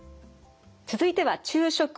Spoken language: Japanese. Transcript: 続いては昼食です。